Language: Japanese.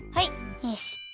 よし！